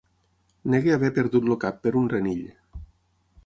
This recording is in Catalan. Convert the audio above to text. Negui haver perdut el cap per un renill.